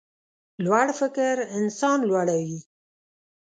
لوړ فکر انسان لوړوي.